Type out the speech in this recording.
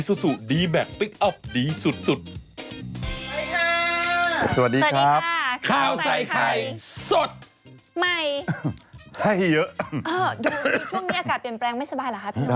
ดูช่วงนี้อากาศเปลี่ยนแปลงไม่สบายเหรอภาพนก